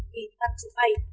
kỳ tăng chuẩn bày